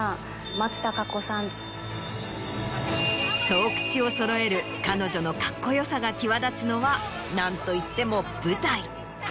そう口をそろえる彼女のカッコよさが際立つのは何といっても舞台。